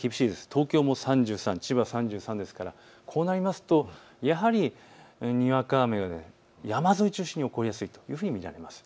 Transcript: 東京も３３、千葉も３３ですからこうなりますとやはりにわか雨、山沿いを中心に起こりやすくなると見られます。